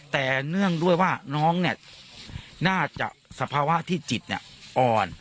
แต่เนื่องด้วยว่าน้องเนี่ยน่าจะสภาวะที่จิตอ่อน